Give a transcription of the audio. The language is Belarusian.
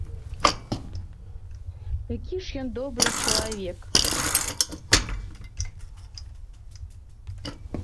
Які ж ён добры чалавек?